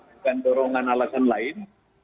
bukan dorongan alasan lain